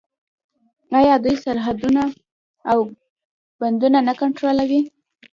آیا دوی سرحدونه او بندرونه نه کنټرولوي؟